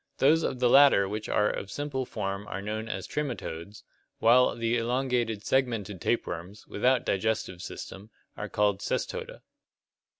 Those of the latter which are of simple form are known as Trematodes (Gr. rprjfiaTSAf^f having boles), while the elongated, segmented tapeworms, without digestive system, are called Cestoda (Gr.